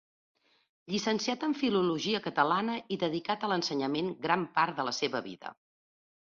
Llicenciat en filologia catalana i dedicat a l'ensenyament gran part de la seva vida.